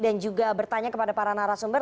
dan juga bertanya kepada para narasumber